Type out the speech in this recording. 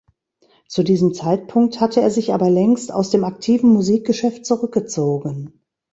Zu diesem Zeitpunkt hatte er sich aber längst aus dem aktiven Musikgeschäft zurückgezogen.